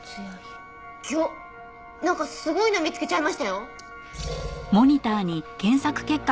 ぎょなんかすごいの見つけちゃいましたよ。